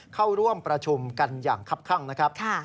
เข้าร่วมประชุมกันอย่างคับข้างนะครับ